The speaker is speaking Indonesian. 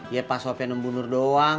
ya pak sopyan sama bu nur doang